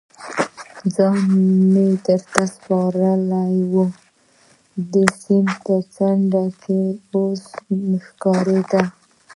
ځان مې دې ته سپارلی و، د سیند څنډه اوس نه ښکارېده.